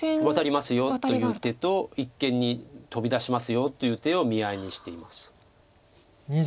「ワタりますよ」という手と「一間にトビ出しますよ」という手を見合いにしています。